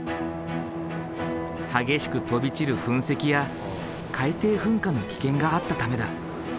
激しく飛び散る噴石や海底噴火の危険があったためだ。